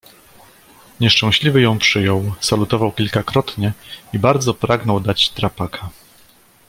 "Nieszczęśliwy ją przyjął, salutował kilkakrotnie i bardzo pragnął dać drapaka."